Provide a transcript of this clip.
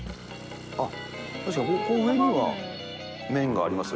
あっ！